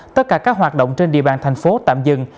tất cả các hoạt động trên địa bàn thành phố tạm dừng